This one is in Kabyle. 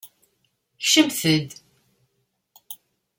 Kecmet-d!